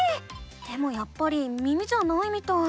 でもやっぱり耳じゃないみたい。